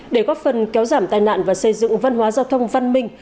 để góp phần kéo giảm tai nạn và xây dựng văn hóa giao thông văn minh